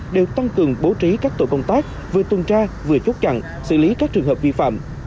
đều tăng cường bố trí các tổ công tác vừa tuần tra vừa chốt chặn xử lý các trường hợp vi phạm